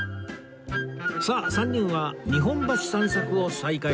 さあ３人は日本橋散策を再開